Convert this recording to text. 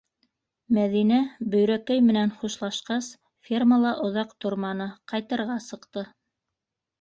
Мәҙинә, Бөйрәкәй менән хушлашҡас, фермала оҙаҡ торманы, ҡайтырға сыҡты.